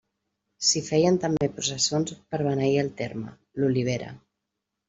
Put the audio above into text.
S'hi feien també processons per beneir el terme, l'olivera.